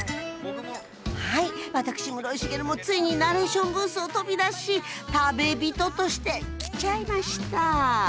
はい私室井滋もついにナレーションブースを飛び出し食べ人として来ちゃいました！